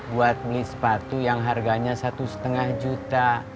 buat beli sepatu yang harganya satu lima juta